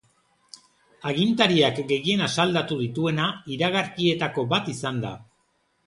Agintariak gehien asaldatu dituena iragarkietako bat izan da.